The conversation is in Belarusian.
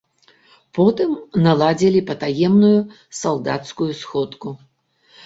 Потым наладзілі патаемную салдацкую сходку.